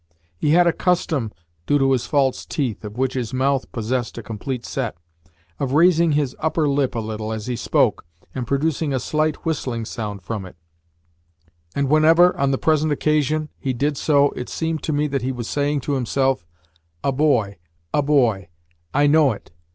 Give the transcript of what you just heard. He had a custom (due to his false teeth, of which his mouth possessed a complete set) of raising his upper lip a little as he spoke, and producing a slight whistling sound from it; and whenever, on the present occasion, he did so it seemed to me that he was saying to himself: "A boy, a boy I know it!